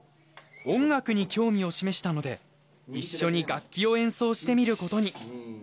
音楽に興味を示したので一緒に楽器を演奏してみる事に。